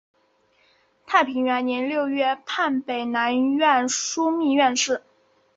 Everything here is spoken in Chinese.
太平元年六月判北南院枢密院事。